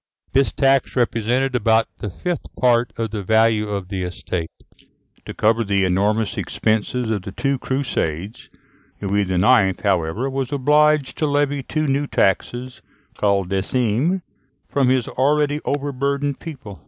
This tax represented about the fifth part of the value of the estate. To cover the enormous expenses of the two crusades, Louis IX., however, was obliged to levy two new taxes, called decimes, from his already overburdened people.